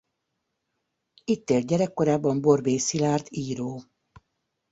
Itt élt gyerekkorában Borbély Szilárd író.